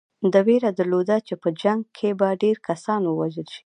ده وېره درلوده چې په جنګ کې به ډېر کسان ووژل شي.